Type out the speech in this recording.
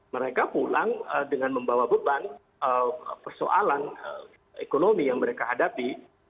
mereka pulang dengan membawa beban persoalan ekonomi yang mereka hadapi